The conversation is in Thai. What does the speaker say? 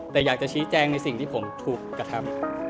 แต่อยากจะชี้แจงในสิ่งที่ผมถูกกระทำ